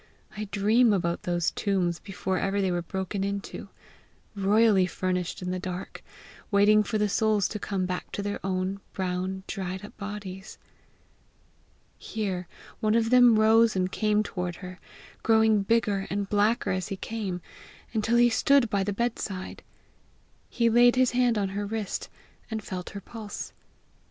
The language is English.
I dream about those tombs before ever they were broken into royally furnished in the dark, waiting for the souls to come back to their old, brown, dried up bodies!" Here one of them rose and came toward her, growing bigger and blacker as he came, until he stood by the bedside. He laid his hand on her wrist, and felt her pulse.